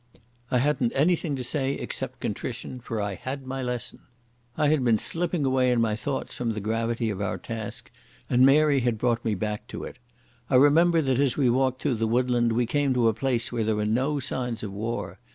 I hadn't anything to say, except contrition, for I had my lesson. I had been slipping away in my thoughts from the gravity of our task, and Mary had brought me back to it. I remember that as we walked through the woodland we came to a place where there were no signs of war.